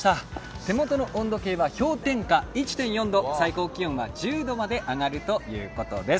手元の温度計は氷点下１．４度、最高気温は１０度まで上がるということです。